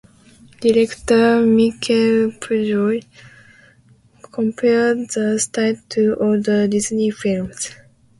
Director Miquel Pujol compared the style to older Disney films.